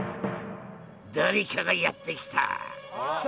誰かがやって来た！